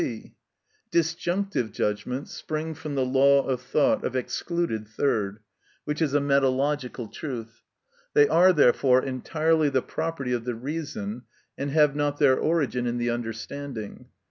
(c.) Disjunctive judgments spring from the law of thought of excluded third, which is a metalogical truth; they are, therefore, entirely the property of the reason, and have not their origin in the understanding.